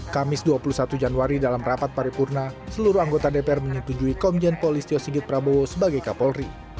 kamis dua puluh satu januari dalam rapat paripurna seluruh anggota dpr menyetujui komjen polis tio sigit prabowo sebagai kapolri